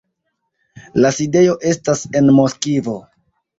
La sidejo estas en Moskvo.